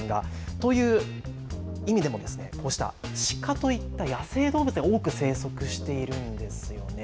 という意味でも、こうしたシカといった野生動物が多く生息しているんですよね。